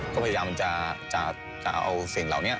ก็พยายามจะเอาสิ่งเหล่านี้